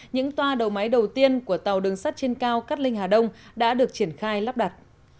những toa đầu máy đầu tiên của tàu đường sắt trên cao cát linh hà đông đã được triển khai lắp đặt